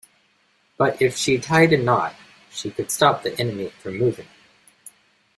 But if she tied a knot, she could stop the enemy from moving.